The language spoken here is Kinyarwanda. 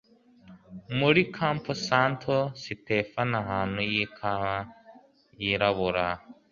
muri campo santo sitefano ahantu h'ikawa yirabura